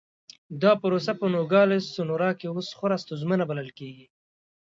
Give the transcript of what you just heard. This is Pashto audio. دا پروسه په نوګالس سونورا کې اوس خورا ستونزمنه بلل کېږي.